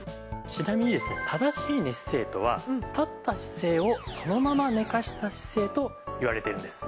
ちなみにですね正しい寝姿勢とは立った姿勢をそのまま寝かせた姿勢といわれているんです。